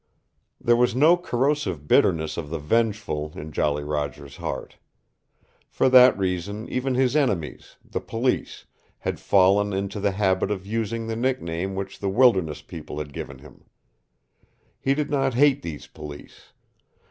There was no corrosive bitterness of the vengeful in Jolly Roger's heart. For that reason even his enemies, the Police, had fallen into the habit of using the nickname which the wilderness people had given him. He did not hate these police.